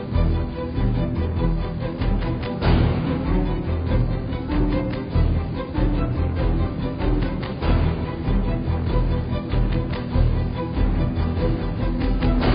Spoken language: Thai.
โปรดติดตามตอนต่อไป